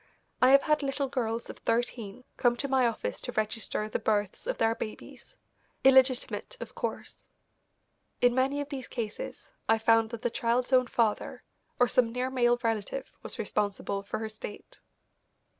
I have had little girls of thirteen come to my office to register the births of their babies, illegitimate, of course. In many of these cases I found that the child's own father or some near male relative was responsible for her state.